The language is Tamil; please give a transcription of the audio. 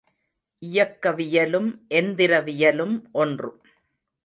இயக்கவியலும் எந்திரவியலும் ஒன்று.